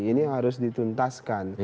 ini harus dituntaskan